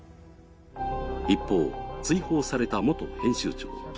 一方、追放された元編集長。